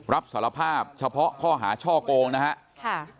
รับสารภาพเฉพาะข้อหาช่อโกงนะครับ